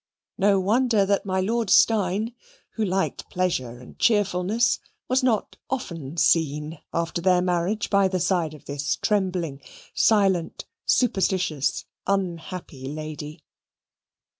No wonder that my Lord Steyne, who liked pleasure and cheerfulness, was not often seen after their marriage by the side of this trembling, silent, superstitious, unhappy lady.